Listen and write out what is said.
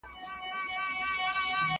سپینه ورځ یې توره شپه لیده په سترګو!!